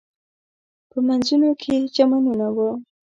په مینځونو کې یې چمنونه و.